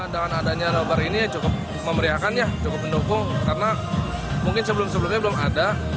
dengan adanya nobar ini cukup memeriahkan ya cukup mendukung karena mungkin sebelum sebelumnya belum ada